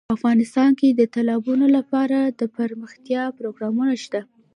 افغانستان کې د تالابونه لپاره دپرمختیا پروګرامونه شته.